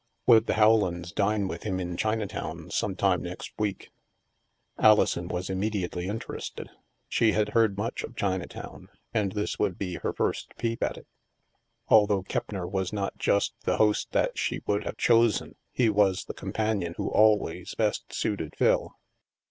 Would the Rowlands dine with him in China town some time next week? Alison was immediately interested. She had heard much of Chinatown, and this would be her first peep at it. Although Keppner was not just the host that she would have chosen, he was the com panion who always best suited Phil.